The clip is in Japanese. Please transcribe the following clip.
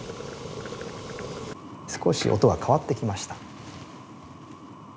少し音が変わってきました。